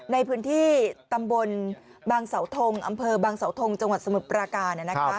ในพื้นที่ตำบลบางเสาทงอำเภอบางสาวทงจังหวัดสมุทรปราการ